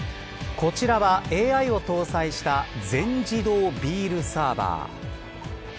こちらはＡＩを搭載した全自動ビールサーバー。